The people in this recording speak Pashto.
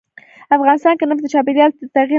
افغانستان کې نفت د چاپېریال د تغیر نښه ده.